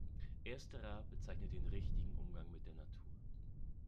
Ersterer bezeichnet den richtigen Umgang mit der Natur.